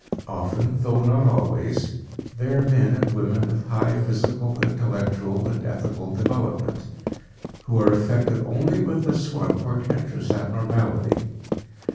Often, though not always, they are men and women of high physical, intellectual and ethical development, who are affected only with this one portentous abnormality.